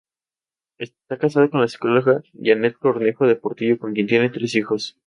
Está casado con la psicóloga Jeanette Cornejo de Portillo con quien tiene tres hijos.